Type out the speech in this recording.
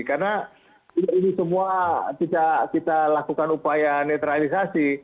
karena ini semua kita lakukan upaya netralisasi